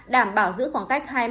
đảm bảo giữ khoảng cách hai m trở lên